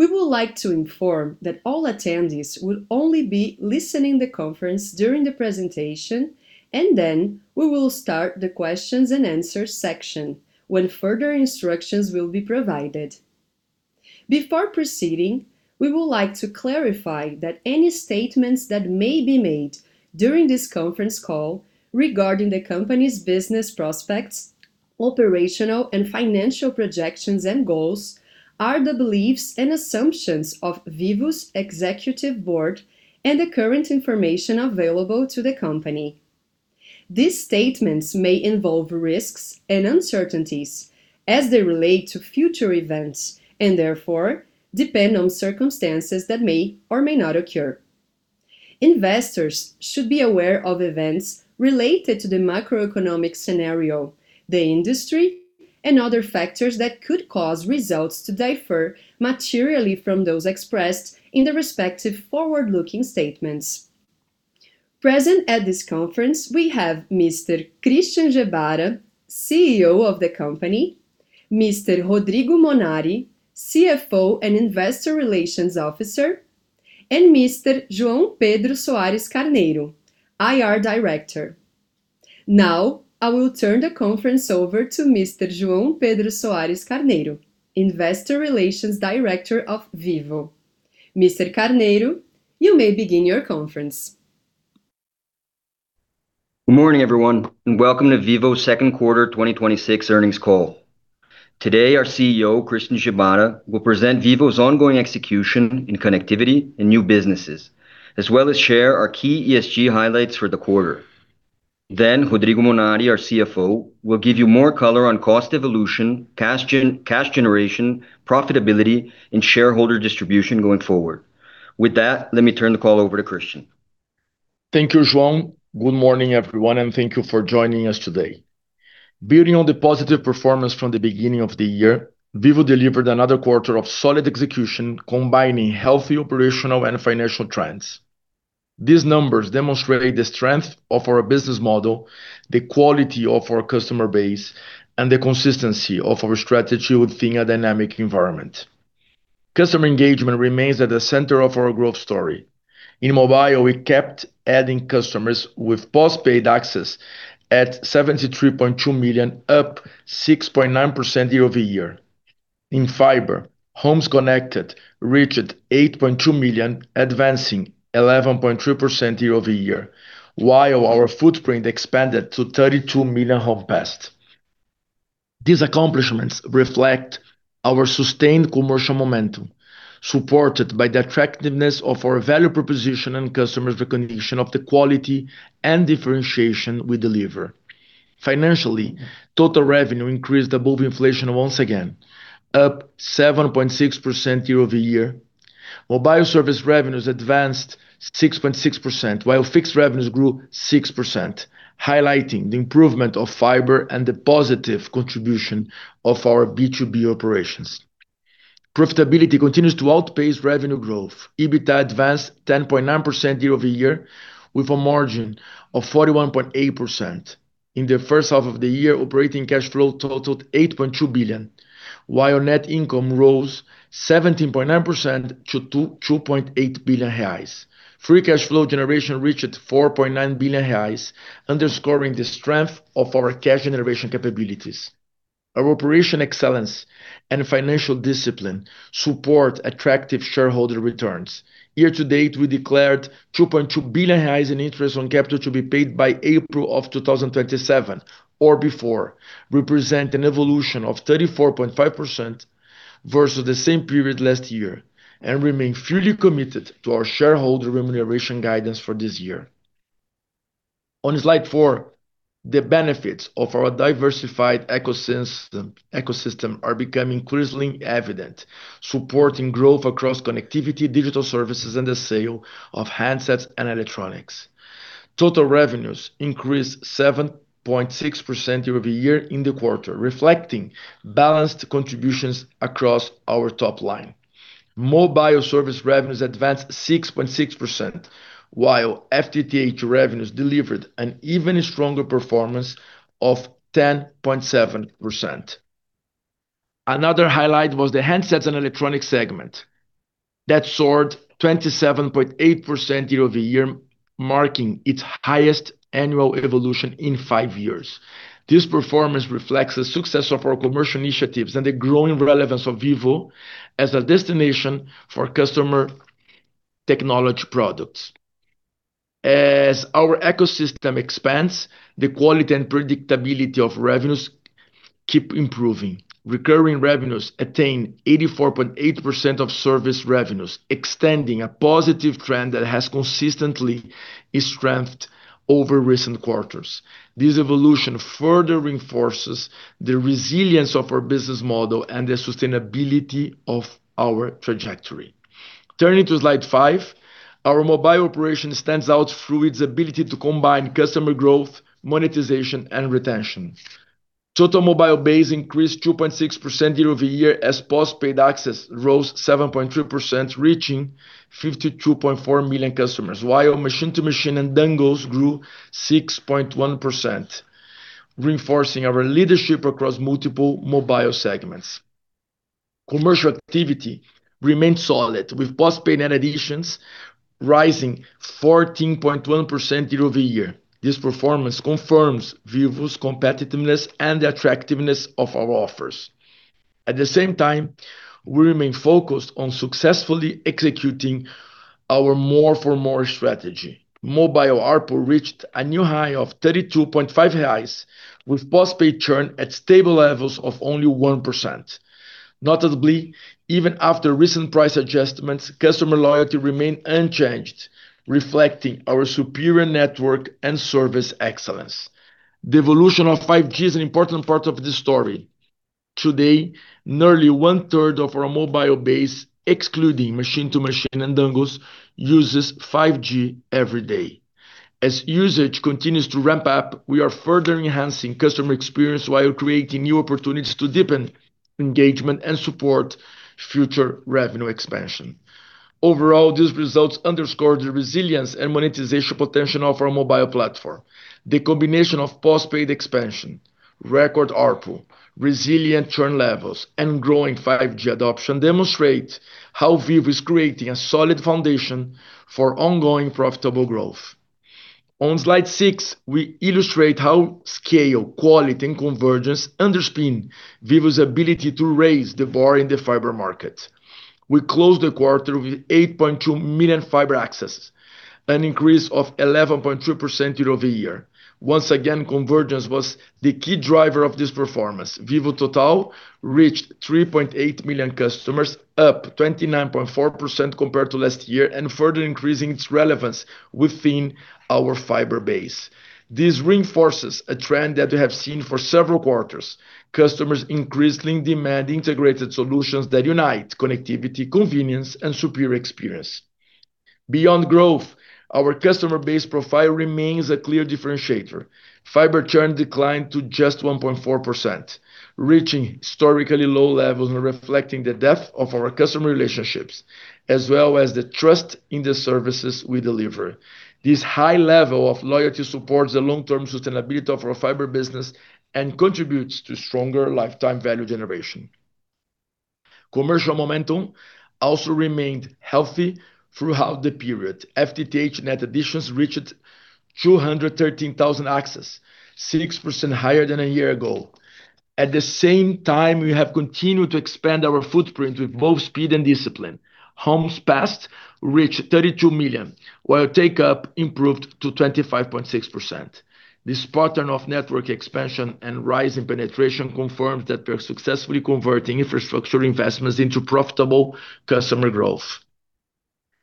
We would like to inform that all attendees will only be listening the conference during the presentation, then we will start the questions and answers section, when further instructions will be provided. Before proceeding, we would like to clarify that any statements that may be made during this conference call regarding the company's business prospects, operational and financial projections and goals are the beliefs and assumptions of Vivo's executive board and the current information available to the company. These statements may involve risks and uncertainties as they relate to future events, and therefore depend on circumstances that may or may not occur. Investors should be aware of events related to the macroeconomic scenario, the industry, and other factors that could cause results to differ materially from those expressed in the respective forward-looking statements. Present at this conference, we have Mr. Christian Gebara, CEO of the company, Mr. Rodrigo Monari, CFO and Investor Relations Officer, and Mr. João Pedro Soares Carneiro, IR Director. Now, I will turn the conference over to Mr. João Pedro Soares Carneiro, Investor Relations Director of Vivo. Mr. Carneiro, you may begin your conference. Good morning, everyone, and welcome to Vivo's second quarter 2026 earnings call. Today, our CEO, Christian Gebara, will present Vivo's ongoing execution in connectivity and new businesses, as well as share our key ESG highlights for the quarter. Rodrigo Monari, our CFO, will give you more color on cost evolution, cash generation, profitability, and shareholder distribution going forward. With that, let me turn the call over to Christian. Thank you, João. Good morning, everyone, and thank you for joining us today. Building on the positive performance from the beginning of the year, Vivo delivered another quarter of solid execution, combining healthy operational and financial trends. These numbers demonstrate the strength of our business model, the quality of our customer base, and the consistency of our strategy within a dynamic environment. Customer engagement remains at the center of our growth story. In mobile, we kept adding customers with postpaid access at 73.2 million, up 6.9% year-over-year. In fiber, homes connected reached 8.2 million, advancing 11.3% year-over-year, while our footprint expanded to 32 million home passed. These accomplishments reflect our sustained commercial momentum, supported by the attractiveness of our value proposition and customers' recognition of the quality and differentiation we deliver. Financially, total revenue increased above inflation once again, up 7.6% year-over-year, while Mobile service revenues advanced 6.6%, while fixed revenues grew 6%, highlighting the improvement of fiber and the positive contribution of our B2B operations. Profitability continues to outpace revenue growth. EBITDA advanced 10.9% year-over-year with a margin of 41.8%. In the H1 of the year, operating cash flow totaled 8.2 billion, while net income rose 17.9% to 2.8 billion reais. Free cash flow generation reached 4.9 billion reais, underscoring the strength of our cash generation capabilities. Our operation excellence and financial discipline support attractive shareholder returns. Year-to-date, we declared 2.2 billion in Interest on Capital to be paid by April of 2027 or before, represent an evolution of 34.5% versus the same period last year, and remain fully committed to our shareholder remuneration guidance for this year. On slide four, the benefits of our diversified ecosystem are becoming increasingly evident, supporting growth across connectivity, digital services, and the sale of handsets and electronics. Total revenues increased 7.6% year-over-year in the quarter, reflecting balanced contributions across our top line. Mobile service revenues advanced 6.6%, while FTTH revenues delivered an even stronger performance of 10.7%. Another highlight was the handsets and electronic segment. That soared 27.8% year-over-year, marking its highest annual evolution in five years. This performance reflects the success of our commercial initiatives and the growing relevance of Vivo as a destination for customer technology products. As our ecosystem expands, the quality and predictability of revenues keep improving. Recurring revenues attain 84.8% of service revenues, extending a positive trend that has consistently strengthened over recent quarters. This evolution further reinforces the resilience of our business model and the sustainability of our trajectory. Turning to slide five. Our mobile operation stands out through its ability to combine customer growth, monetization, and retention. Total mobile base increased 2.6% year-over-year as postpaid access rose 7.3%, reaching 52.4 million customers, while machine-to-machine and dongles grew 6.1%, reinforcing our leadership across multiple mobile segments. Commercial activity remains solid with postpaid net additions rising 14.1% year-over-year. This performance confirms Vivo's competitiveness and the attractiveness of our offers. At the same time, we remain focused on successfully executing our more for more strategy. Mobile ARPU reached a new high of 32.5, with postpaid churn at stable levels of only 1%. Notably, even after recent price adjustments, customer loyalty remained unchanged, reflecting our superior network and service excellence. The evolution of 5G is an important part of this story. Today, nearly 1/3 of our mobile base, excluding machine-to-machine and dongles, uses 5G every day. As usage continues to ramp up, we are further enhancing customer experience while creating new opportunities to deepen engagement and support future revenue expansion. Overall, these results underscore the resilience and monetization potential for our mobile platform. The combination of postpaid expansion, record ARPU, resilient churn levels, and growing 5G adoption demonstrate how Vivo is creating a solid foundation for ongoing profitable growth. On slide six, we illustrate how scale, quality, and convergence underpin Vivo's ability to raise the bar in the fiber market. We closed the quarter with 8.2 million fiber accesses, an increase of 11.3% year-over-year. Once again, convergence was the key driver of this performance. Vivo Total reached 3.8 million customers, up 29.4% compared to last year, and further increasing its relevance within our fiber base. This reinforces a trend that we have seen for several quarters. Customers increasingly demand integrated solutions that unite connectivity, convenience, and superior experience. Beyond growth, our customer base profile remains a clear differentiator. Fiber churn declined to just 1.4%, reaching historically low levels and reflecting the depth of our customer relationships, as well as the trust in the services we deliver. This high level of loyalty supports the long-term sustainability of our fiber business and contributes to stronger lifetime value generation. Commercial momentum also remained healthy throughout the period. FTTH net additions reached 213,000 access, 6% higher than a year ago. At the same time, we have continued to expand our footprint with both speed and discipline. Homes passed reached 32 million, while take-up improved to 25.6%. This pattern of network expansion and rise in penetration confirms that we are successfully converting infrastructure investments into profitable customer growth.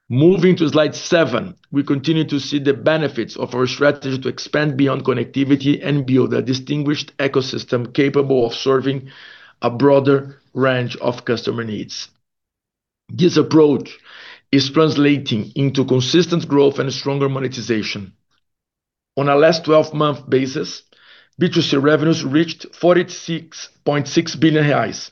Moving to slide seven. We continue to see the benefits of our strategy to expand beyond connectivity and build a distinguished ecosystem capable of serving a broader range of customer needs. This approach is translating into consistent growth and stronger monetization. On a last 12-month basis, B2C revenues reached 46.6 billion reais,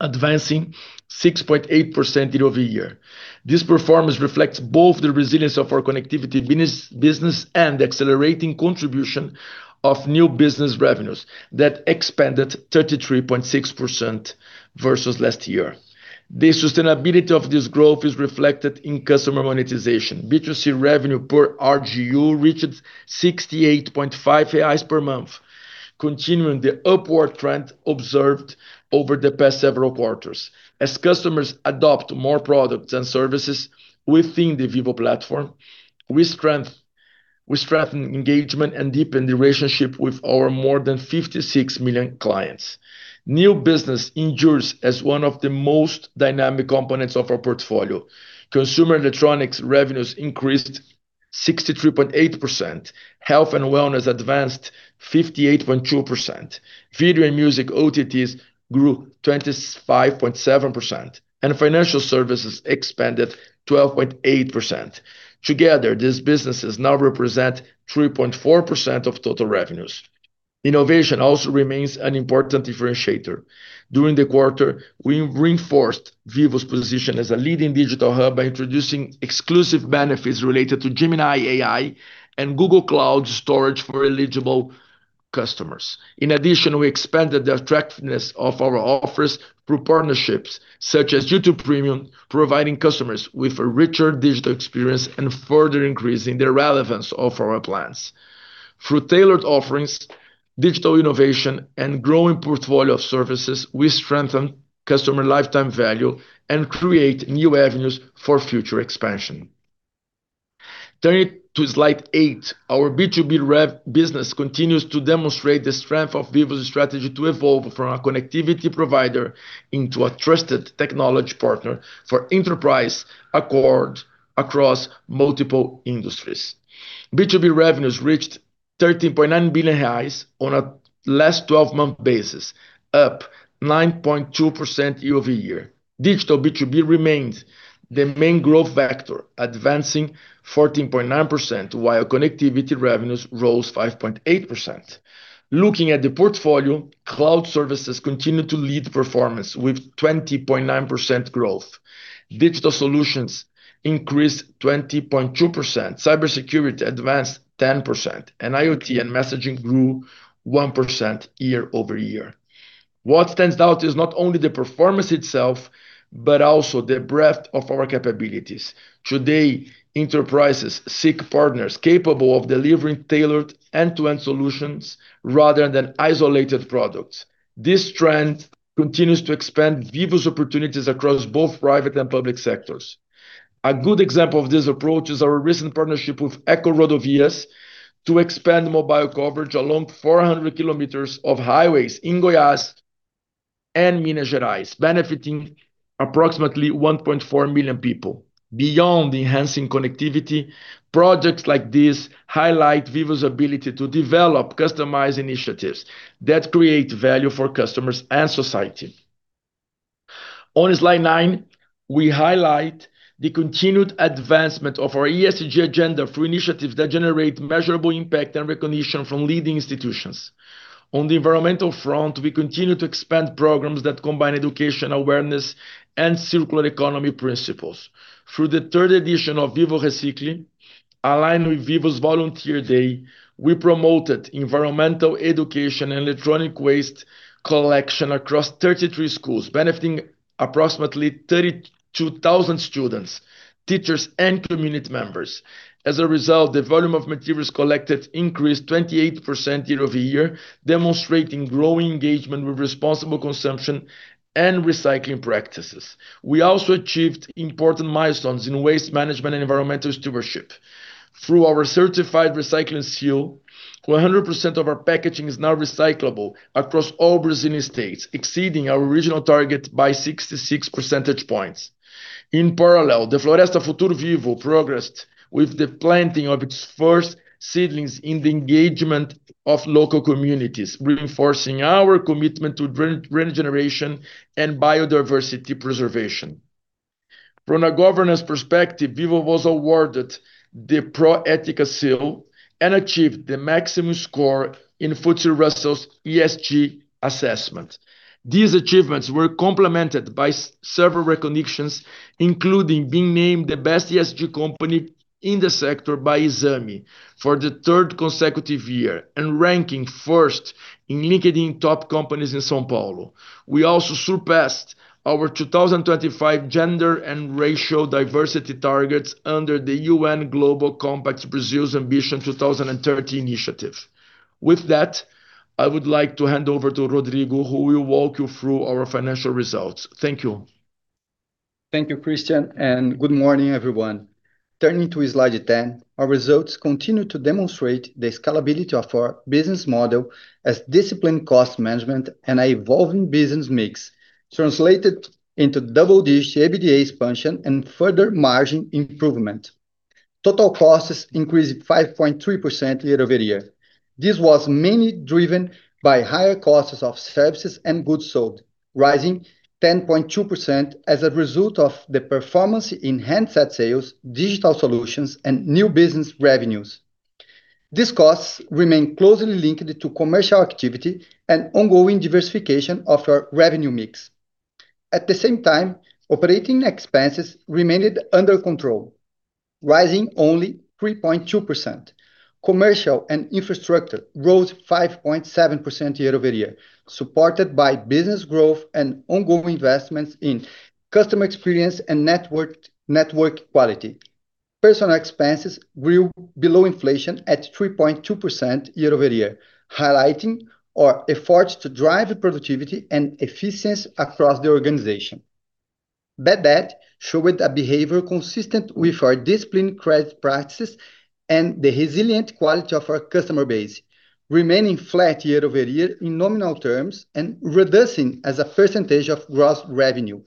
advancing 6.8% year-over-year. This performance reflects both the resilience of our connectivity business and accelerating contribution of new business revenues that expanded 33.6% versus last year. The sustainability of this growth is reflected in customer monetization. B2C revenue per RGU reached 68.5 reais per month, continuing the upward trend observed over the past several quarters. As customers adopt more products and services within the Vivo platform, we strengthen engagement and deepen the relationship with our more than 56 million clients. New business endures as one of the most dynamic components of our portfolio. Consumer electronics revenues increased 63.8%, health and wellness advanced 58.2%, video and music OTTs grew 25.7%, and financial services expanded 12.8%. Together, these businesses now represent 3.4% of total revenues. Innovation also remains an important differentiator. During the quarter, we reinforced Vivo's position as a leading digital hub by introducing exclusive benefits related to Gemini AI and Google Cloud Storage for eligible customers. In addition, we expanded the attractiveness of our offers through partnerships such as YouTube Premium, providing customers with a richer digital experience and further increasing the relevance of our plans. Through tailored offerings, digital innovation, and growing portfolio of services, we strengthen customer lifetime value and create new avenues for future expansion. Turning to slide eight. Our B2B business continues to demonstrate the strength of Vivo's strategy to evolve from a connectivity provider into a trusted technology partner for enterprise accounts across multiple industries. B2B revenues reached 13.9 billion on a last 12-month basis, up 9.2% year-over-year. Digital B2B remains the main growth factor, advancing 14.9%, while connectivity revenues rose 5.8%. Looking at the portfolio, cloud services continued to lead performance with 20.9% growth. Digital solutions increased 20.2%. Cybersecurity advanced 10%, and IoT and messaging grew 1% year-over-year. What stands out is not only the performance itself, but also the breadth of our capabilities. Today, enterprises seek partners capable of delivering tailored end-to-end solutions rather than isolated products. This trend continues to expand Vivo's opportunities across both private and public sectors. A good example of this approach is our recent partnership with EcoRodovias to expand mobile coverage along 400 km of highways in Goiás and Minas Gerais, benefiting approximately 1.4 million people. Beyond enhancing connectivity, projects like this highlight Vivo's ability to develop customized initiatives that create value for customers and society. On slide nine, we highlight the continued advancement of our ESG agenda through initiatives that generate measurable impact and recognition from leading institutions. On the environmental front, we continue to expand programs that combine education awareness and circular economy principles. Through the third edition of Vivo Recicle, aligned with Vivo's Volunteer Day, we promoted environmental education and electronic waste collection across 33 schools, benefiting approximately 32,000 students, teachers, and community members. As a result, the volume of materials collected increased 28% year-over-year, demonstrating growing engagement with responsible consumption and recycling practices. We also achieved important milestones in waste management and environmental stewardship. Through our certified recycling seal, 100% of our packaging is now recyclable across all Brazilian states, exceeding our original target by 66 percentage points. In parallel, the Floresta Futuro Vivo progressed with the planting of its first seedlings in the engagement of local communities, reinforcing our commitment to regeneration and biodiversity preservation. From a governance perspective, Vivo was awarded the Pró-Ética seal and achieved the maximum score in FTSE Russell's ESG assessment. These achievements were complemented by several recognitions, including being named the best ESG company in the sector by Exame for the third consecutive year, and ranking first in LinkedIn top companies in São Paulo. We also surpassed our 2025 gender and racial diversity targets under the UN Global Compact Brazil's Ambition 2030 initiative. With that, I would like to hand over to Rodrigo, who will walk you through our financial results. Thank you. Thank you, Christian, and good morning, everyone. Turning to slide 10, our results continue to demonstrate the scalability of our business model as disciplined cost management and evolving business mix translated into double-digit EBITDA expansion and further margin improvement. Total costs increased 5.3% year-over-year. This was mainly driven by higher costs of services and goods sold, rising 10.2% as a result of the performance in handset sales, digital solutions, and new business revenues. These costs remain closely linked to commercial activity and ongoing diversification of our revenue mix. At the same time, operating expenses remained under control, rising only 3.2%. Commercial and infrastructure rose 5.7% year-over-year, supported by business growth and ongoing investments in customer experience and network quality. Personnel expenses grew below inflation at 3.2% year-over-year, highlighting our efforts to drive productivity and efficiency across the organization. Bad debt showed a behavior consistent with our disciplined credit practices and the resilient quality of our customer base, remaining flat year-over-year in nominal terms and reducing as a percentage of gross revenue.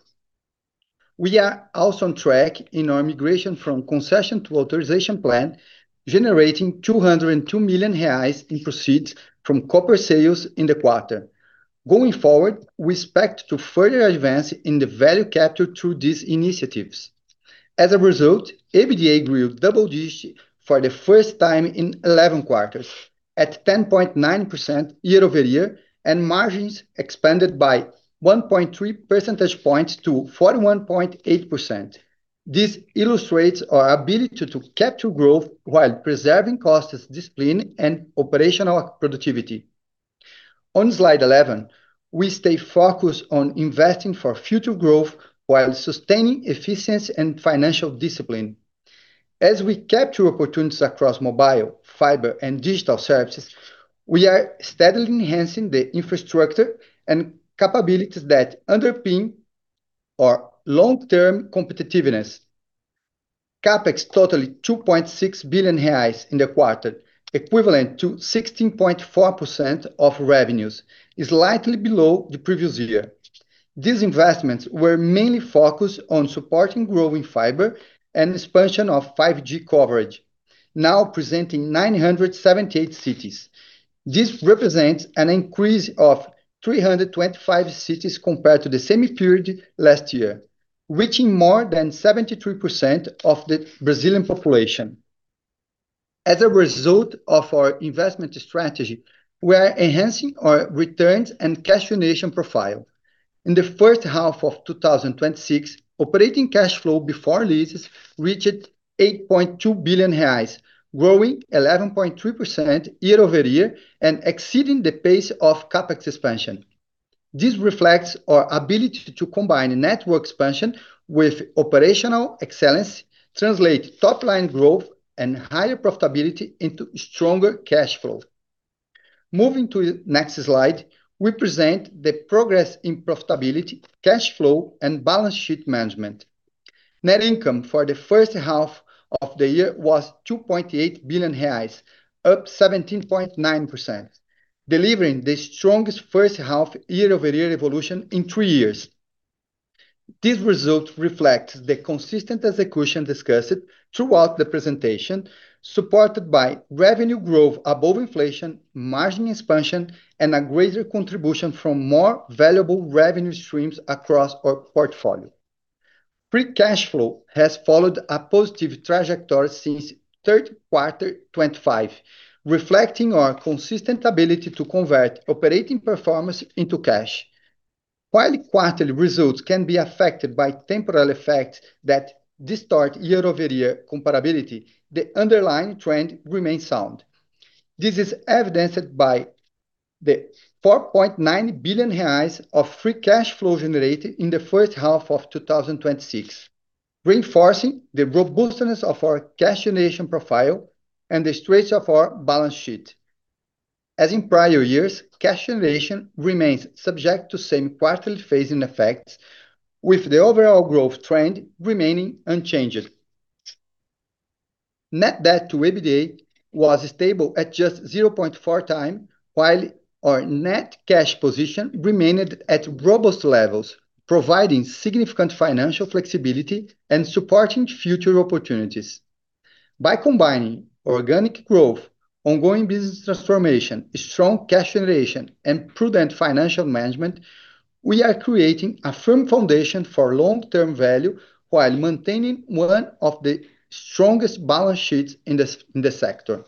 We are also on track in our migration from concession to authorization plan, generating 202 million reais in proceeds from copper sales in the quarter. Going forward, we expect to further advance in the value capture through these initiatives. As a result, EBITDA grew double digits for the first time in 11 quarters, at 10.9% year-over-year, and margins expanded by 1.3 percentage points to 41.8%. This illustrates our ability to capture growth while preserving cost discipline and operational productivity. On slide 11, we stay focused on investing for future growth while sustaining efficiency and financial discipline. As we capture opportunities across mobile, fiber, and digital services, we are steadily enhancing the infrastructure and capabilities that underpin our long-term competitiveness. CapEx totaled 2.6 billion reais in the quarter, equivalent to 16.4% of revenues, slightly below the previous year. These investments were mainly focused on supporting growing fiber and expansion of 5G coverage, now presenting 978 cities. This represents an increase of 325 cities compared to the same period last year, reaching more than 73% of the Brazilian population. As a result of our investment strategy, we are enhancing our returns and cash generation profile. In the H1 of 2026, operating cash flow before leases reached 8.2 billion reais, growing 11.3% year-over-year and exceeding the pace of CapEx expansion. This reflects our ability to combine network expansion with operational excellence, translate top-line growth and higher profitability into stronger cash flow. Moving to the next slide, we present the progress in profitability, cash flow, and balance sheet management. Net income for the H1 of the year was 2.8 billion reais, up 17.9%, delivering the strongest first half year-over-year evolution in three years. This result reflects the consistent execution discussed throughout the presentation, supported by revenue growth above inflation, margin expansion, and a greater contribution from more valuable revenue streams across our portfolio. Free cash flow has followed a positive trajectory since third quarter 2025, reflecting our consistent ability to convert operating performance into cash. While quarterly results can be affected by temporal effects that distort year-over-year comparability, the underlying trend remains sound. This is evidenced by the 4.9 billion reais of free cash flow generated in the H1 of 2026, reinforcing the robustness of our cash generation profile and the strength of our balance sheet. As in prior years, cash generation remains subject to same quarterly phasing effects, with the overall growth trend remaining unchanged. Net debt to EBITDA was stable at just 0.4x, while our net cash position remained at robust levels, providing significant financial flexibility and supporting future opportunities. By combining organic growth, ongoing business transformation, strong cash generation, and prudent financial management, we are creating a firm foundation for long-term value while maintaining one of the strongest balance sheets in the sector.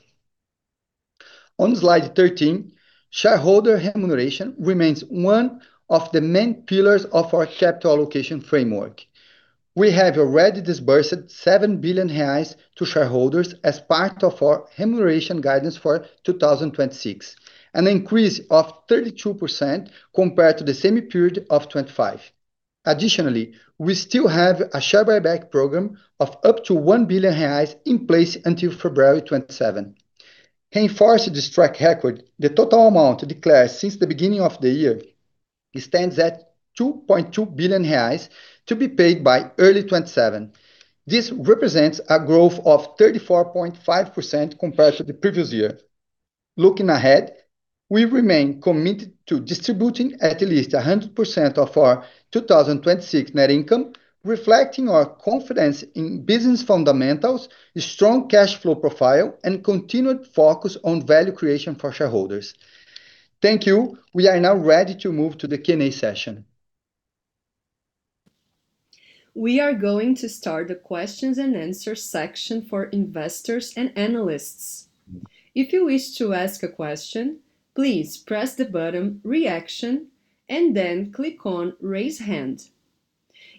On slide 13, shareholder remuneration remains one of the main pillars of our capital allocation framework. We have already disbursed 7 billion reais to shareholders as part of our remuneration guidance for 2026, an increase of 32% compared to the same period of 2025. Additionally, we still have a share buyback program of up to 1 billion reais in place until February 2027. Enforced to this track record, the total amount declared since the beginning of the year stands at 2.2 billion reais, to be paid by early 2027. This represents a growth of 34.5% compared to the previous year. Looking ahead, we remain committed to distributing at least 100% of our 2026 net income, reflecting our confidence in business fundamentals, strong cash flow profile, and continued focus on value creation for shareholders. Thank you. We are now ready to move to the Q&A session. We are going to start the questions and answers section for investors and analysts. If you wish to ask a question, please press the button Reaction and then click on Raise Hand.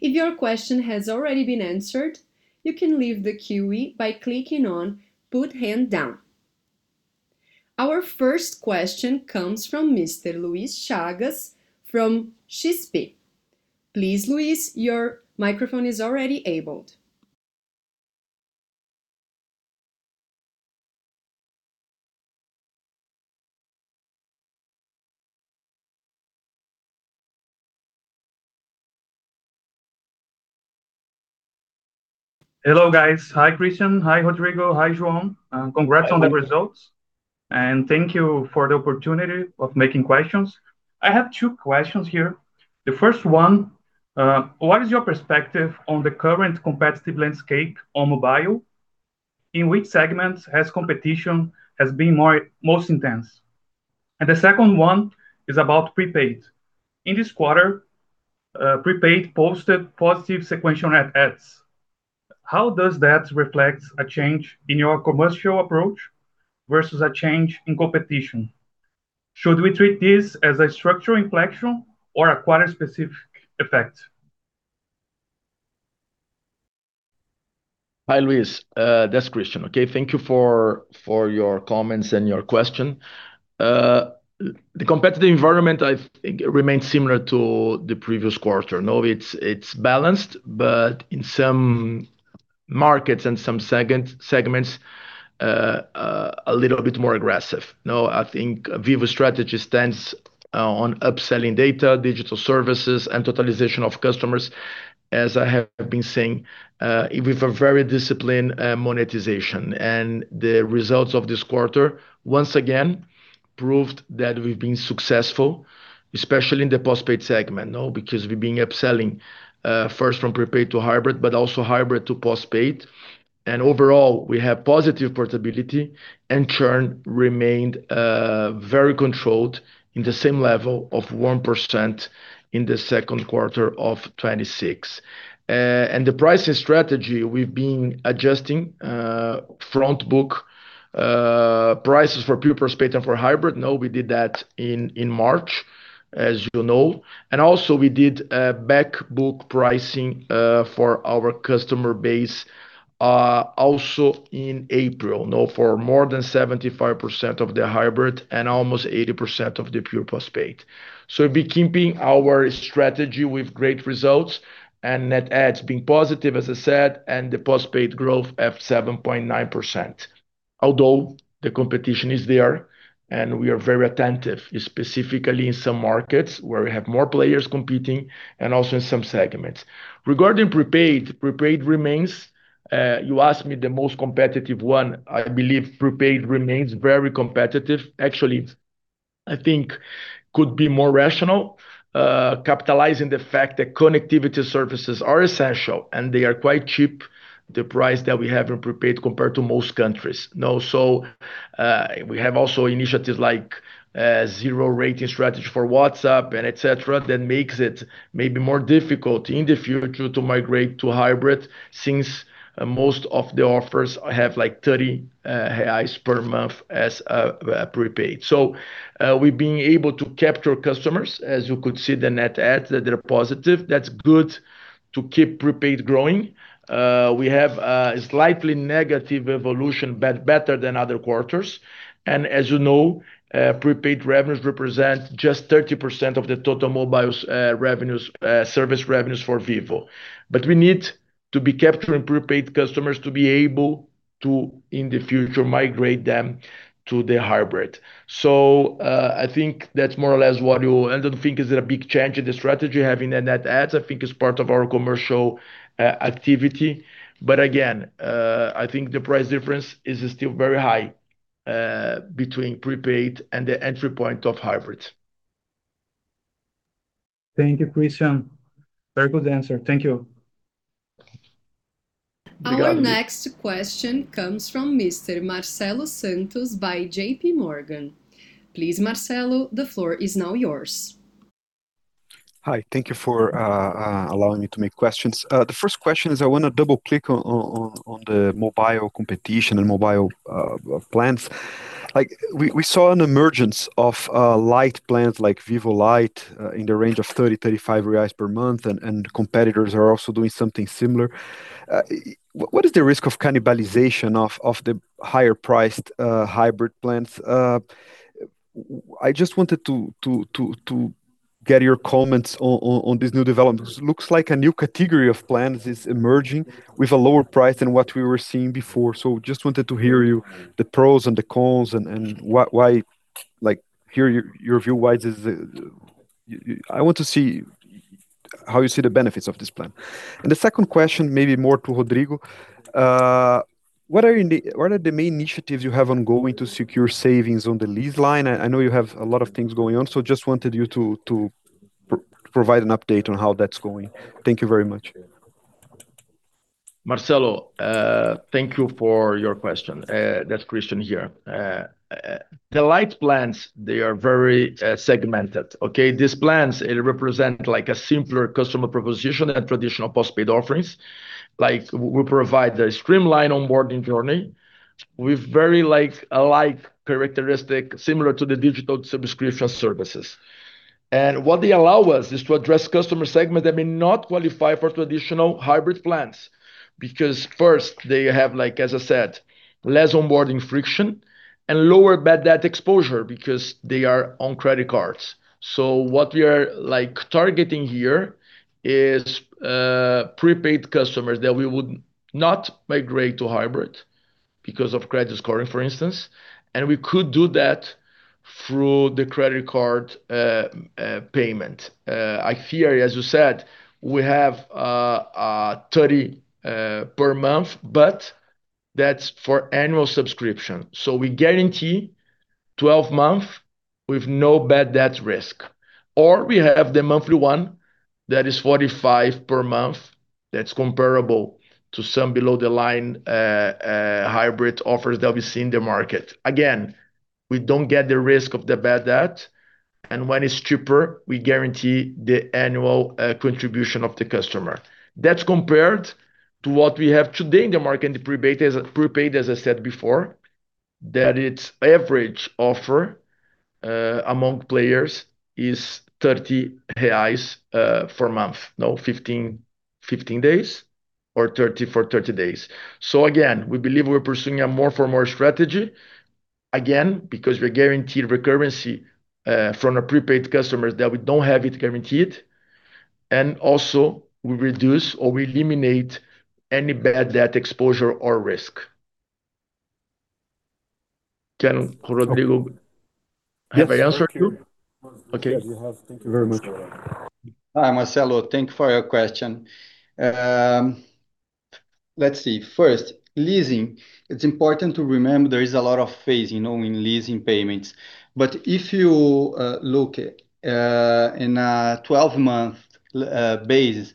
If your question has already been answered, you can leave the queue by clicking on Put Hand Down. Our first question comes from Mr. Luís Chagas from XP. Please, Luís your microphone is already enabled. Hello, guys. Hi, Christian. Hi, Rodrigo. Hi, João. Congrats on the results, thank you for the opportunity of making questions. I have two questions here. The first one, what is your perspective on the current competitive landscape on mobile? In which segments has competition been most intense? The second one is about prepaid. In this quarter, prepaid posted positive sequential adds. How does that reflect a change in your commercial approach versus a change in competition? Should we treat this as a structural inflection or a quarter specific effect? Hi, Luís. That's Christian, okay. Thank you for your comments and your question. The competitive environment, I think, remains similar to the previous quarter. It's balanced, but in some markets and some segments, a little bit more aggressive. I think Vivo strategy stands on upselling data, digital services, and totalization of customers As I have been saying, with a very disciplined monetization. The results of this quarter, once again, proved that we've been successful, especially in the postpaid segment, because we've been upselling, first from prepaid to hybrid, but also hybrid to postpaid. Overall, we have positive portability, and churn remained very controlled in the same level of 1% in the second quarter of 2026. The pricing strategy, we've been adjusting front book prices for pure postpaid and for hybrid. We did that in March, as you know. Also, we did back book pricing for our customer base also in April for more than 75% of the hybrid and almost 80% of the pure postpaid. We're keeping our strategy with great results, and net adds being positive, as I said, and the postpaid growth at 7.9%. Although the competition is there, we are very attentive, specifically in some markets where we have more players competing and also in some segments. Regarding prepaid, you asked me the most competitive one. I believe prepaid remains very competitive. Actually, I think could be more rational, capitalizing the fact that connectivity services are essential, and they are quite cheap, the price that we have in prepaid compared to most countries. We have also initiatives like, zero-rating strategy for WhatsApp and et cetera, that makes it maybe more difficult in the future to migrate to hybrid, since most of the offers have 30 reais per month as prepaid. We've been able to capture customers. As you could see, the net adds, that they're positive. That's good to keep prepaid growing. We have a slightly negative evolution, but better than other quarters. As you know, prepaid revenues represent just 30% of the total mobile service revenues for Vivo. We need to be capturing prepaid customers to be able to, in the future, migrate them to the hybrid. I think that's more or less what you I don't think it's a big change in the strategy. Having net adds, I think, is part of our commercial activity. Again, I think the price difference is still very high between prepaid and the entry point of hybrid. Thank you, Christian. Very good answer. Thank you. You got it. Our next question comes from Marcelo Santos by JPMorgan. Please, Marcelo, the floor is now yours. Hi. Thank you for allowing me to make questions. The first question is I want to double-click on the mobile competition and mobile plans. We saw an emergence of Lite plans, like Vivo Lite, in the range of 30 reais, 35 reais per month, and competitors are also doing something similar. What is the risk of cannibalization of the higher-priced hybrid plans? I just wanted to get your comments on this new development. It looks like a new category of plans is emerging with a lower price than what we were seeing before. Just wanted to hear you, the pros and the cons and hear your view. I want to see how you see the benefits of this plan. And the second question, maybe more to Rodrigo. What are the main initiatives you have ongoing to secure savings on the lease line? I know you have a lot of things going on, just wanted you to provide an update on how that's going. Thank you very much. Marcelo, thank you for your question. That's Christian here. The Lite plans, they are very segmented, okay? These plans represent a simpler customer proposition than traditional postpaid offerings. We provide the streamlined onboarding journey with very alike characteristic, similar to the digital subscription services. What they allow us is to address customer segment that may not qualify for traditional hybrid plans. First, they have, as I said, less onboarding friction and lower bad debt exposure because they are on credit cards. What we are targeting here is prepaid customers that we would not migrate to hybrid because of credit scoring, for instance, and we could do that through the credit card payment. I fear, as you said, we have 30 per month, but that's for annual subscription. We guarantee 12 month with no bad debt risk. We have the monthly one that is 45 per month. That's comparable to some below-the-line hybrid offers that we see in the market. Again, we don't get the risk of the bad debt, and when it's cheaper, we guarantee the annual contribution of the customer. That's compared to what we have today in the market in the prepaid, as I said before, that its average offer among players is 30 reais for a month. 15 days or 30 for 30 days. Again, we believe we're pursuing a more for more strategy. Again, because we're guaranteed recurrency from a prepaid customer that we don't have it guaranteed. Also, we reduce or eliminate any bad debt exposure or risk. Marcelo, have I answered you? Yes, you have. Thank you very much. Hi, Marcelo. Thank you for your question. Let's see. First, leasing, it's important to remember there is a lot of phasing in leasing payments. If you look in a 12-month base,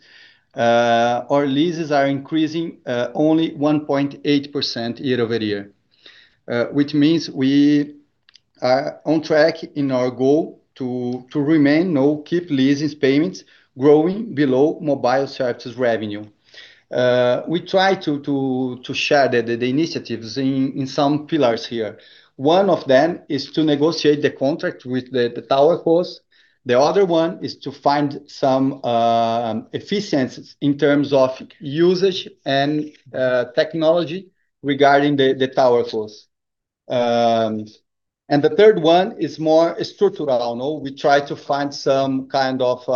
our leases are increasing only 1.8% year-over-year. Which means we are on track in our goal to remain, keep leases payments growing below mobile services revenue. We try to share the initiatives in some pillars here. One of them is to negotiate the contract with the tower hosts. The other one is to find some efficiencies in terms of usage and technology regarding the tower hosts. The third one is more structural. We try to find some kind of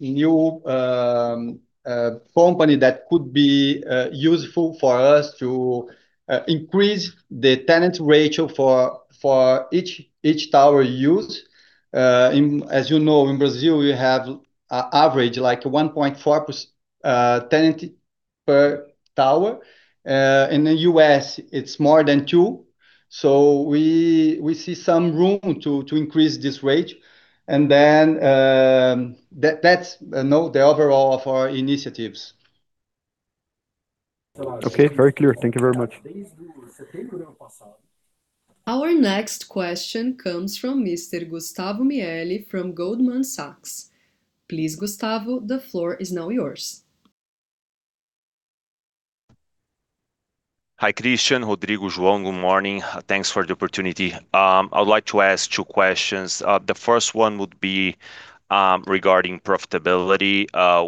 new company that could be useful for us to increase the tenant ratio for each tower used. As you know, in Brazil, we have an average 1.4 tenants per tower. In the U.S., it's more than two. We see some room to increase this rate. Then, that's the overall of our initiatives. Okay. Very clear. Thank you very much. Our next question comes from Mr. Gustavo Miele from Goldman Sachs. Please, Gustavo, the floor is now yours. Hi, Christian, Rodrigo, João. Good morning. Thanks for the opportunity. I would like to ask two questions. The first one would be regarding profitability.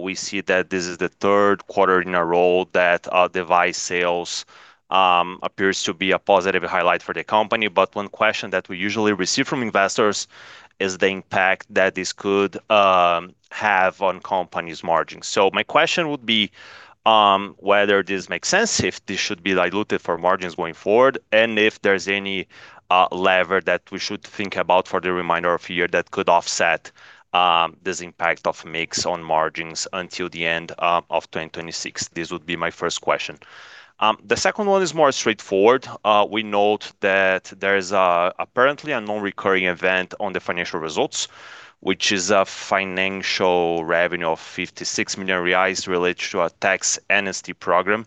We see that this is the third quarter in a row that device sales appears to be a positive highlight for the company. One question that we usually receive from investors is the impact that this could have on company's margins. My question would be whether this makes sense, if this should be diluted for margins going forward, and if there's any lever that we should think about for the remainder of the year that could offset this impact of mix on margins until the end of 2026. This would be my first question. The second one is more straightforward. We note that there is apparently a non-recurring event on the financial results, which is a financial revenue of 56 million reais related to a tax amnesty program.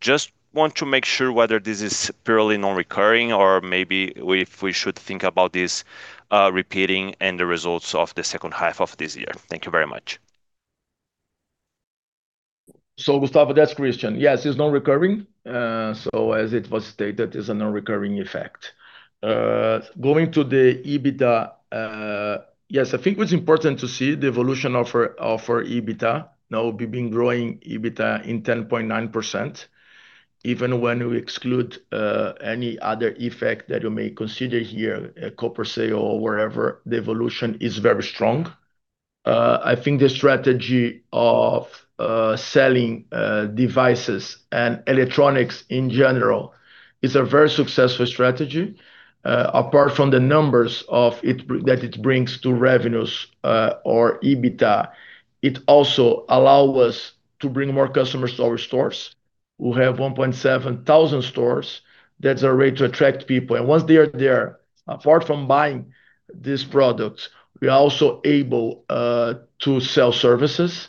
Just want to make sure whether this is purely non-recurring or maybe if we should think about this repeating in the results of the H2 of this year. Thank you very much. Gustavo, that's Christian. It's non-recurring. As it was stated, it's a non-recurring effect. Going to the EBITDA. I think what's important to see the evolution of our EBITDA. We've been growing EBITDA in 10.9%, even when we exclude any other effect that you may consider here, a corporate sale or wherever, the evolution is very strong. I think the strategy of selling devices and electronics in general is a very successful strategy. Apart from the numbers that it brings to revenues or EBITDA, it also allow us to bring more customers to our stores. We have 1,700 stores that are ready to attract people. Once they are there, apart from buying these products, we are also able to sell services.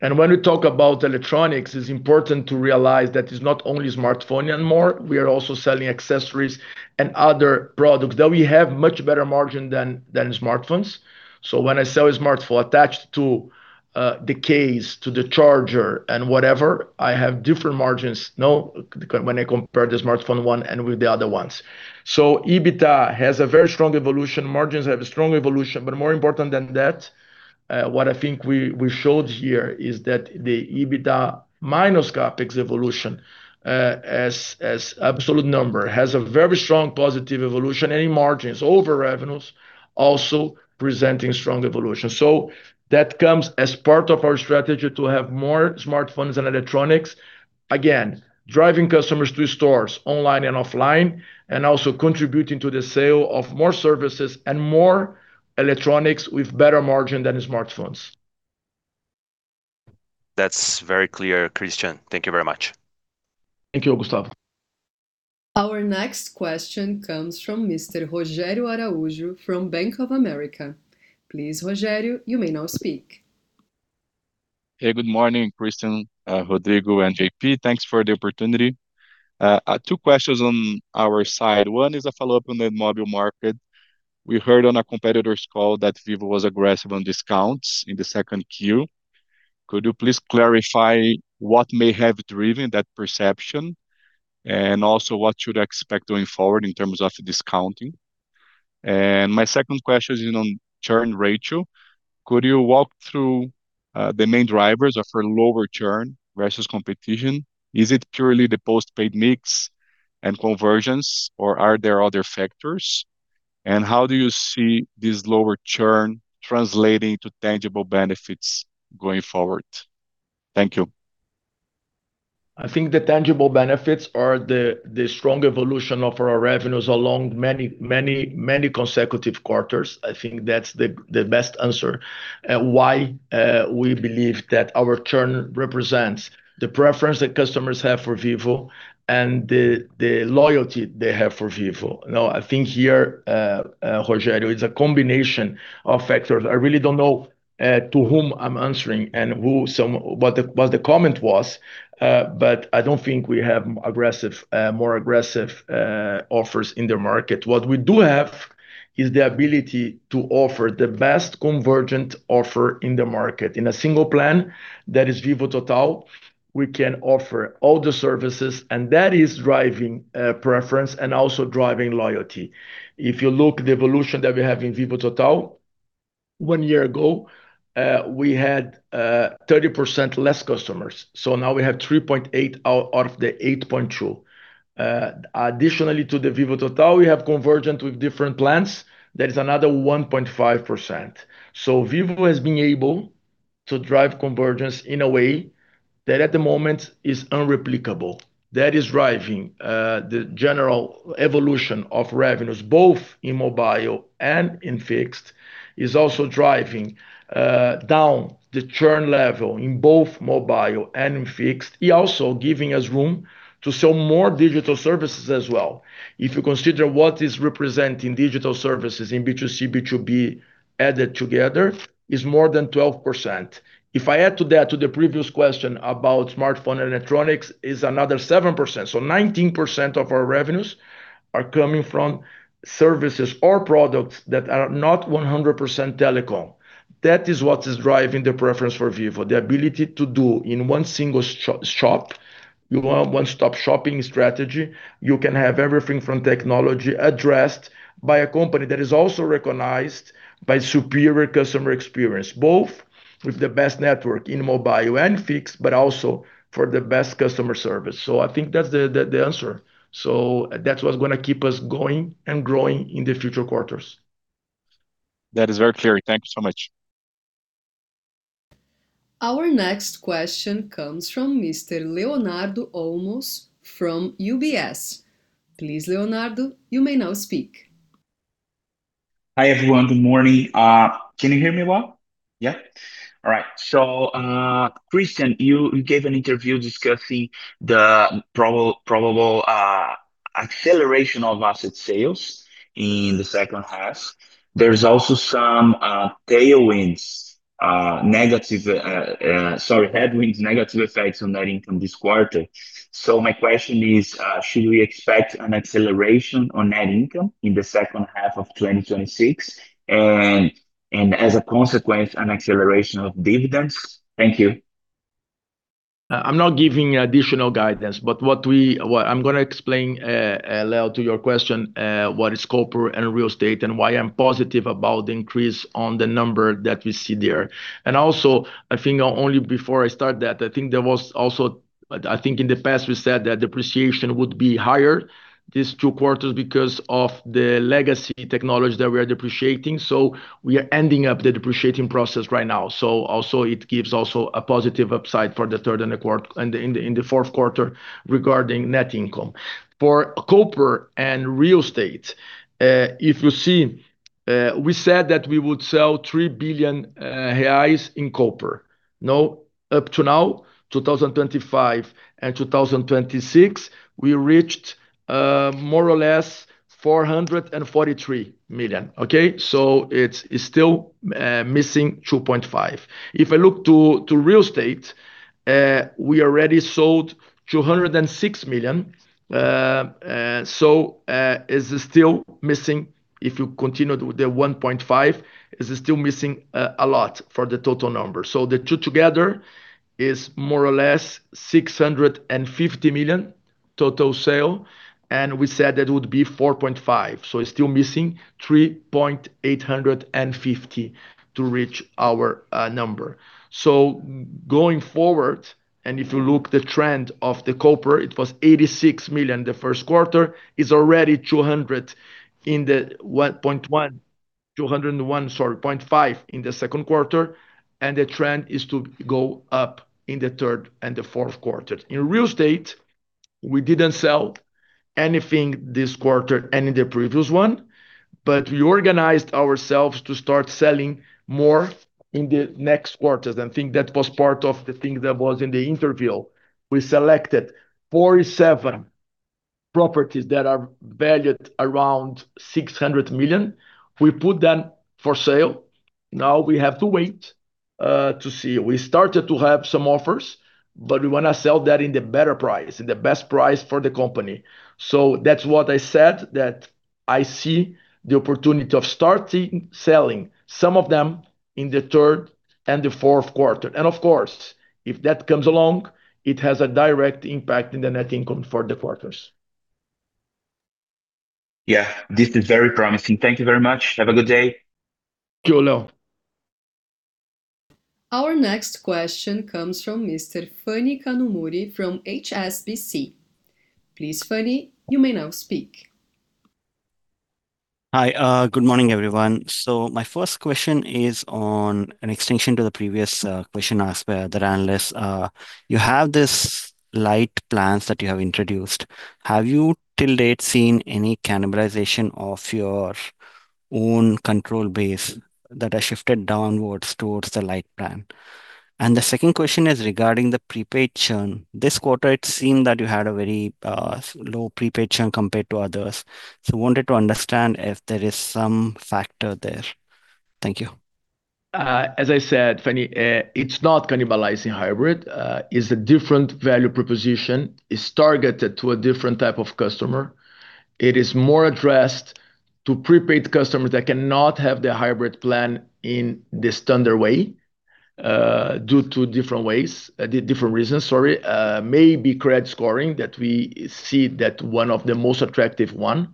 When we talk about electronics, it's important to realize that it's not only smartphone anymore, we are also selling accessories and other products that we have much better margin than smartphones. When I sell a smartphone attached to the case, to the charger, and whatever, I have different margins when I compare the smartphone one and with the other ones. EBITDA has a very strong evolution. Margins have a strong evolution. More important than that, what I think we showed here is that the EBITDA minus CapEx evolution, as absolute number, has a very strong positive evolution. In margins over revenues, also presenting strong evolution. That comes as part of our strategy to have more smartphones and electronics. Again, driving customers to stores online and offline, and also contributing to the sale of more services and more electronics with better margin than smartphones. That's very clear, Christian. Thank you very much. Thank you, Gustavo. Our next question comes from Mr. Rogério Araújo from Bank of America. Please, Rogério, you may now speak. Hey, good morning, Christian, Rodrigo, and JP. Thanks for the opportunity. Two questions on our side. One is a follow-up on the mobile market. We heard on a competitor's call that Vivo was aggressive on discounts in the 2Q. Could you please clarify what may have driven that perception? Also, what should I expect going forward in terms of discounting? My second question is on churn ratio. Could you walk through the main drivers for lower churn versus competition? Is it purely the post-paid mix and conversions, or are there other factors? How do you see this lower churn translating to tangible benefits going forward? Thank you. I think the tangible benefits are the strong evolution of our revenues along many consecutive quarters. I think that's the best answer why we believe that our churn represents the preference that customers have for Vivo and the loyalty they have for Vivo. I think here, Rogério, it's a combination of factors. I really don't know to whom I'm answering and what the comment was, I don't think we have more aggressive offers in the market. What we do have is the ability to offer the best convergent offer in the market. In a single plan, that is Vivo Total, we can offer all the services, That is driving preference and also driving loyalty. If you look the evolution that we have in Vivo Total, one year ago, we had 30% less customers. Now we have 3.8 out of the 8.2. Additionally to the Vivo Total, we have convergent with different plans. That is another 1.5%. Vivo has been able to drive convergence in a way that, at the moment, is unreplicable. That is driving the general evolution of revenues, both in mobile and in fixed. It's also driving down the churn level in both mobile and in fixed. It also giving us room to sell more digital services as well. If you consider what is representing digital services in B2C, B2B added together is more than 12%. If I add to that, to the previous question about smartphone and electronics, is another 7%. 19% of our revenues are coming from services or products that are not 100% telecom. That is what is driving the preference for Vivo, the ability to do in one single shop, one-stop shopping strategy. You can have everything from technology addressed by a company that is also recognized by superior customer experience, both with the best network in mobile and fixed, but also for the best customer service. I think that's the answer. That's what's going to keep us going and growing in the future quarters. That is very clear. Thank you so much. Our next question comes from Mr. Leonardo Olmos from UBS. Please, Leonardo, you may now speak. Hi, everyone. Good morning. Can you hear me well? Yeah? All right. Christian, you gave an interview discussing the probable acceleration of asset sales in the H2. There's also some headwinds, negative effects on net income this quarter. My question is, should we expect an acceleration on net income in the H2 of 2026 and, as a consequence, an acceleration of dividends? Thank you. I'm not giving additional guidance, what I'm going to explain, Leo, to your question, what is copper and real estate, and why I'm positive about the increase on the number that we see there. I think only before I start that, I think in the past we said that depreciation would be higher these two quarters because of the legacy technology that we are depreciating. We are ending up the depreciating process right now. It gives also a positive upside for the third and the fourth quarter regarding net income. For copper and real estate, if you see, we said that we would sell 3 billion reais in copper. No, up to now, 2025 and 2026, we reached more or less 443 million. Okay? It's still missing 2.5 billion. If I look to real estate, we already sold 206 million, if you continue with the 1.5 billion, it's still missing a lot for the total number. The two together is more or less 650 million total sale, we said that would be 4.5 billion, it's still missing 3.85 billion to reach our number. Going forward, if you look the trend of the copper, it was 86 million the first quarter. It's already 200.5 million in the second quarter, the trend is to go up in the third and the fourth quarter. In real estate, we didn't sell anything this quarter and in the previous one, we organized ourselves to start selling more in the next quarters. I think that was part of the thing that was in the interview. We selected 47 properties that are valued around 600 million. We put them for sale. We have to wait to see. We started to have some offers, we want to sell that in the better price, in the best price for the company. That's what I said, that I see the opportunity of starting selling some of them in the third and the fourth quarter. Of course, if that comes along, it has a direct impact in the net income for the quarters. Yeah. This is very promising. Thank you very much. Have a good day. Sure, Leo. Our next question comes from Mr. Phani Kanumuri from HSBC. Please, Phani, you may now speak. Hi. Good morning, everyone. My first question is on an extension to the previous question asked by other analysts. You have these light plans that you have introduced. Have you, till date, seen any cannibalization of your own control base that has shifted downwards towards the light plan? The second question is regarding the prepaid churn. This quarter, it seemed that you had a very low prepaid churn compared to others. Wanted to understand if there is some factor there. Thank you. As I said, Phani, it is not cannibalizing hybrid. It is a different value proposition. It is targeted to a different type of customer. It is more addressed to prepaid customers that cannot have the hybrid plan in the standard way, due to different reasons. Maybe credit scoring that we see that one of the most attractive one.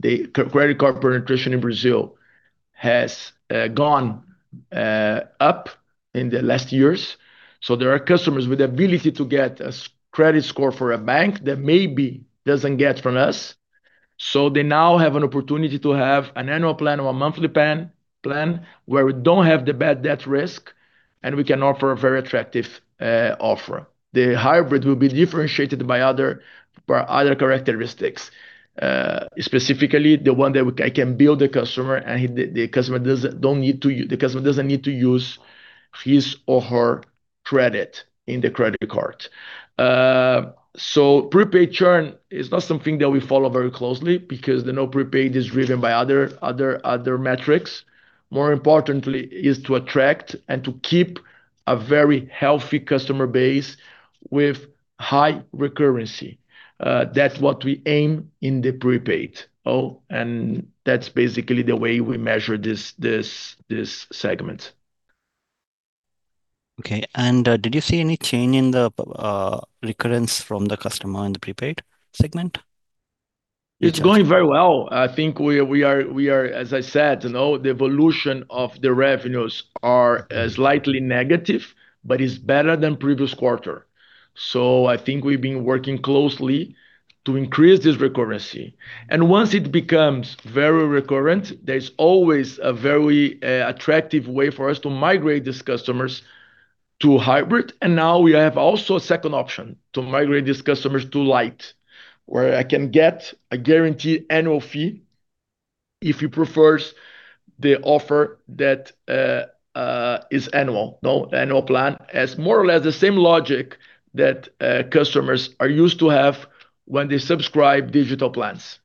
The credit card penetration in Brazil has gone up in the last years. There are customers with the ability to get a credit score for a bank that maybe doesn't get from us. They now have an opportunity to have an annual plan or a monthly plan, where we don't have the bad debt risk, and we can offer a very attractive offer. The hybrid will be differentiated by other characteristics. Specifically, the one that I can build the customer, and the customer doesn't need to use his or her credit in the credit card. Prepaid churn is not something that we follow very closely because the no prepaid is driven by other metrics. More importantly, is to attract and to keep a very healthy customer base with high recurrency. That's what we aim in the prepaid. That's basically the way we measure this segment. Okay. Did you see any change in the recurrence from the customer in the prepaid segment? It's going very well. I think, as I said, the evolution of the revenues are slightly negative, but is better than previous quarter. I think we've been working closely to increase this recurrency. Once it becomes very recurrent, there's always a very attractive way for us to migrate these customers to hybrid. Now we have also a second option, to migrate these customers to Vivo Easy Lite. Where I can get a guaranteed annual fee if he prefers the offer that is annual. The annual plan has more or less the same logic that customers are used to have when they subscribe digital plans.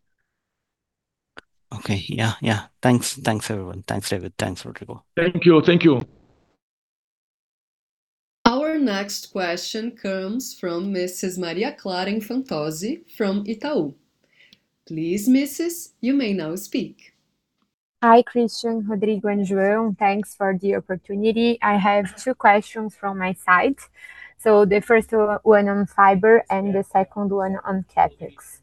Okay. Yeah. Thanks, everyone. Thanks, Christian. Thanks, Rodrigo. Thank you. Our next question comes from Mrs. Maria Clara Infantozzi from Itaú. Please, Mrs., you may now speak. Hi, Christian, Rodrigo, and João. Thanks for the opportunity. I have two questions from my side. The first one on fiber and the second one on CapEx.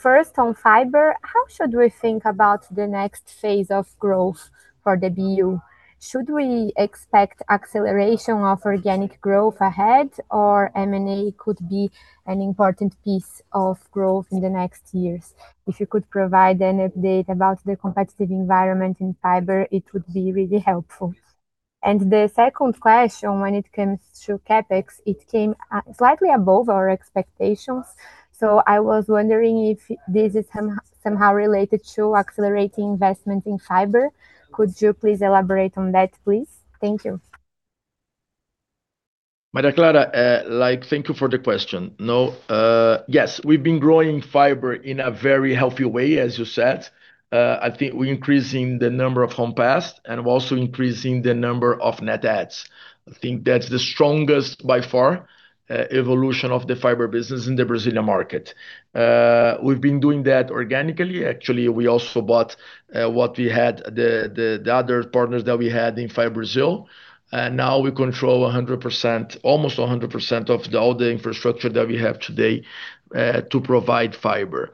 First on fiber, how should we think about the next phase of growth for the BU? Should we expect acceleration of organic growth ahead, or M&A could be an important piece of growth in the next years? If you could provide an update about the competitive environment in fiber, it would be really helpful. The second question, when it comes to CapEx, it came slightly above our expectations. I was wondering if this is somehow related to accelerating investment in fiber. Could you please elaborate on that, please? Thank you. Maria Clara, thank you for the question. Yes, we've been growing fiber in a very healthy way, as you said. I think we're increasing the number of home passed and we're also increasing the number of net adds. I think that's the strongest, by far, evolution of the fiber business in the Brazilian market. We've been doing that organically. Actually, we also bought the other partners that we had in FiBrasil. Now we control almost 100% of all the infrastructure that we have today to provide fiber.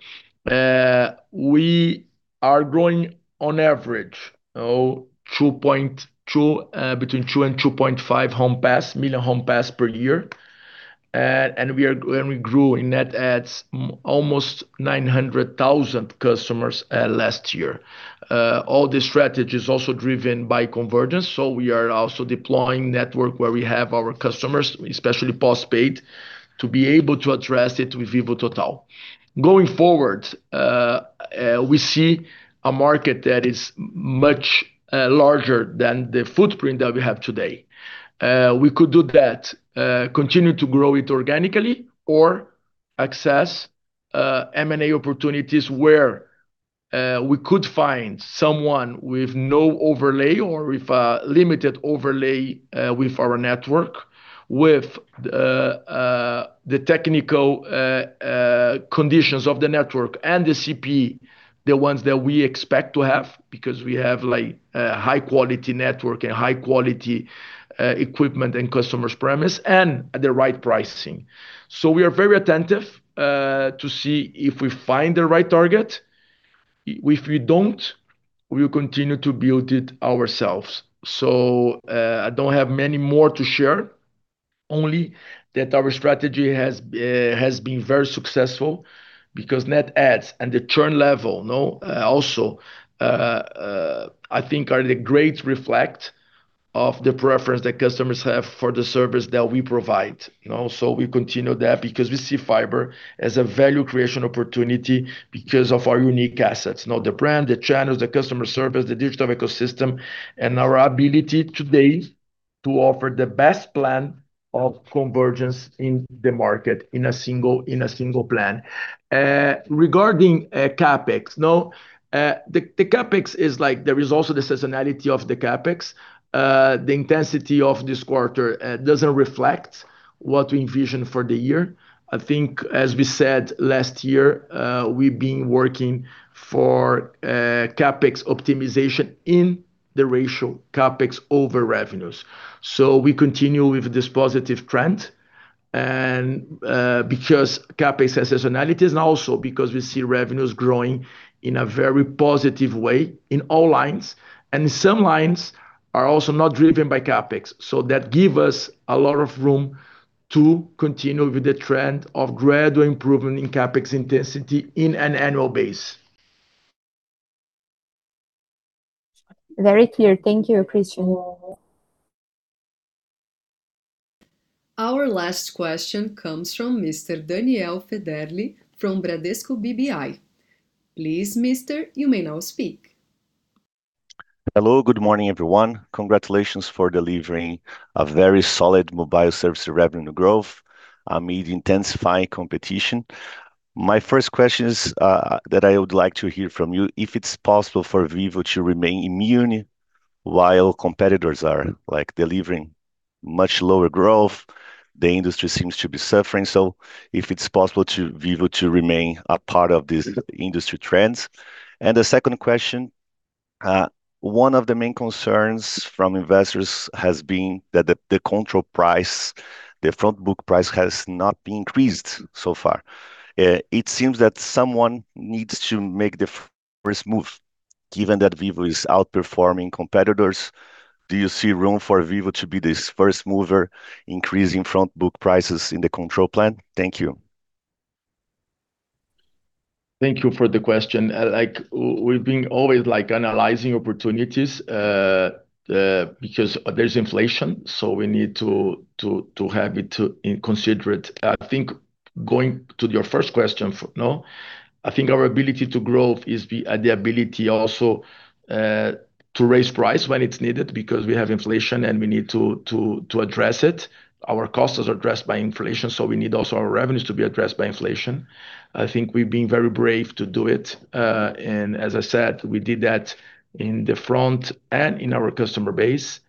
We are growing on average between 2 and 2.5 million home passed per year. We grew in net adds almost 900,000 customers last year. All the strategy is also driven by convergence, so we are also deploying network where we have our customers, especially postpaid, to be able to address it with Vivo Total. Going forward, we see a market that is much larger than the footprint that we have today. We could do that, continue to grow it organically or access M&A opportunities where we could find someone with no overlay or with a limited overlay with our network, with the technical conditions of the network and the CP, the ones that we expect to have, because we have a high-quality network and high-quality equipment and customer premise, and the right pricing. We are very attentive to see if we find the right target. If we don't, we will continue to build it ourselves. I don't have many more to share. Only that our strategy has been very successful because net adds and the churn level, also, I think are the great reflect of the preference that customers have for the service that we provide. We continue that because we see fiber as a value creation opportunity because of our unique assets. The brand, the channels, the customer service, the digital ecosystem, and our ability today to offer the best plan of convergence in the market in a single plan. Regarding CapEx. The CapEx is, there is also the seasonality of the CapEx. The intensity of this quarter doesn't reflect what we envision for the year. I think, as we said last year, we've been working for CapEx optimization in the ratio CapEx over revenues. We continue with this positive trend. Because CapEx has seasonality and also because we see revenues growing in a very positive way in all lines, and some lines are also not driven by CapEx. That give us a lot of room to continue with the trend of gradual improvement in CapEx intensity in an annual base. Very clear. Thank you, Christian. Our last question comes from Mr. Daniel Federle from Bradesco BBI. Please, Mr., you may now speak. Hello. Good morning, everyone. Congratulations for delivering a very solid mobile services revenue growth amid intensifying competition. My first question is that I would like to hear from you, if it's possible for Vivo to remain immune while competitors are delivering much lower growth. The industry seems to be suffering. If it's possible for Vivo to remain a part of these industry trends. The second question. One of the main concerns from investors has been that the control price, the front book price, has not been increased so far. It seems that someone needs to make the first move. Given that Vivo is outperforming competitors, do you see room for Vivo to be this first mover, increasing front book prices in the control plan? Thank you. Thank you for the question. We've been always analyzing opportunities, because there's inflation, so we need to have it to consider. I think, going to your first question. I think our ability to grow is the ability also to raise price when it's needed because we have inflation, and we need to address it. Our costs are addressed by inflation, so we need also our revenues to be addressed by inflation. I think we've been very brave to do it. As I said, we did that in the front and in our customer base.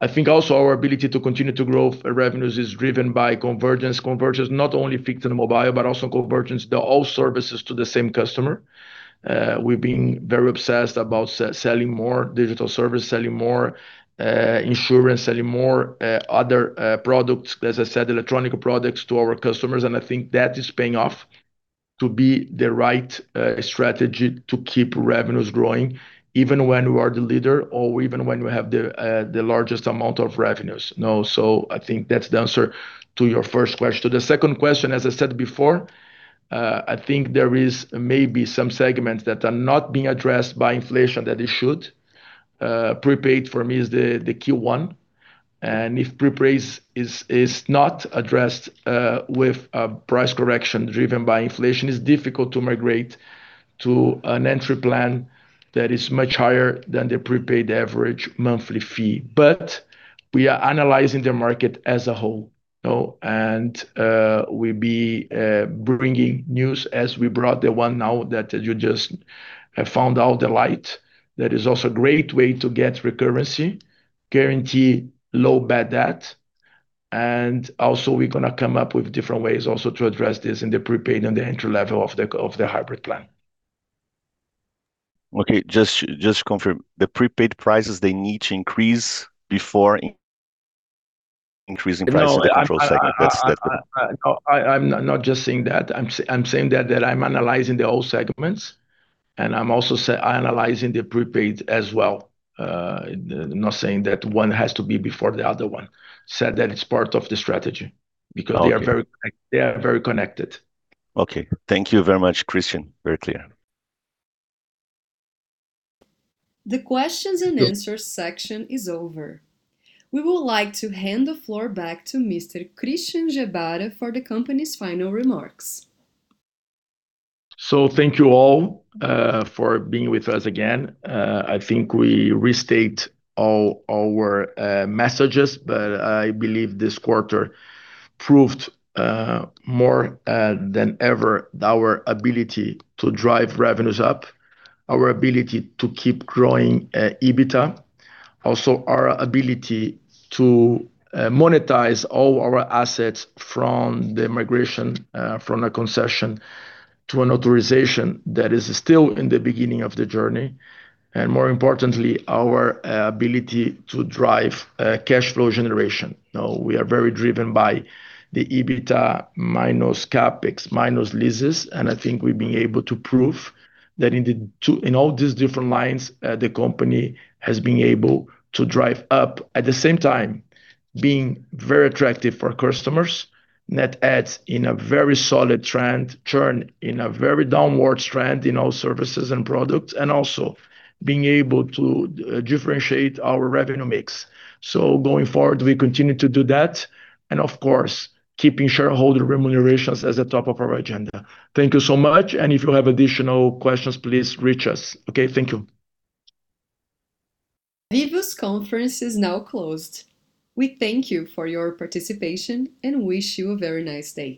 I think also our ability to continue to grow revenues is driven by convergence. Convergence not only fixed and mobile, but also convergence of all services to the same customer. We've been very obsessed about selling more digital services, selling more insurance, selling more other products. As I said, electronic products to our customers, I think that is paying off to be the right strategy to keep revenues growing, even when we are the leader or even when we have the largest amount of revenues. I think that's the answer to your first question. To the second question, as I said before, I think there is maybe some segments that are not being addressed by inflation that they should. Prepaid for me is the key one. If prepaid is not addressed with a price correction driven by inflation, it's difficult to migrate to an entry plan that is much higher than the prepaid average monthly fee. We are analyzing the market as a whole. We'll be bringing news as we brought the one now that you just have found out the light. That is also a great way to get recurrency, guarantee low bad debt, and also we're going to come up with different ways also to address this in the prepaid and the entry level of the hybrid plan. Okay, just to confirm. The prepaid prices, they need to increase before increasing price- No. In the control segment. That's the- I'm not just saying that. I'm saying that I'm analyzing the whole segments, and I'm also analyzing the prepaid as well. Not saying that one has to be before the other one. Said that it's part of the strategy. Okay. Because they are very connected. Okay. Thank you very much, Christian. Very clear. The questions and answers section is over. We would like to hand the floor back to Mr. Christian Gebara for the company's final remarks. Thank you all for being with us again. I think we restate all our messages, but I believe this quarter proved more than ever our ability to drive revenues up, our ability to keep growing EBITDA. Also, our ability to monetize all our assets from the migration, from a concession to an authorization that is still in the beginning of the journey. More importantly, our ability to drive cash flow generation. We are very driven by the EBITDA minus CapEx, minus leases, and I think we've been able to prove that in all these different lines, the company has been able to drive up. At the same time, being very attractive for customers. Net adds in a very solid trend, churn in a very downwards trend in all services and products, and also being able to differentiate our revenue mix. Going forward, we continue to do that. Of course, keeping shareholder remunerations as the top of our agenda. Thank you so much, and if you have additional questions, please reach us. Okay, thank you. Vivo's conference is now closed. We thank you for your participation and wish you a very nice day.